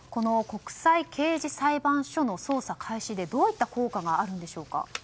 国際刑事裁判所の攻撃の開始でどういった効果があるんでしょうか？